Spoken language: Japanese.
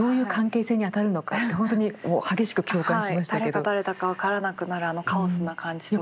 誰が誰だか分からなくなるあのカオスな感じとか。